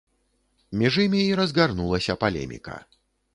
Між імі і разгарнулася палеміка.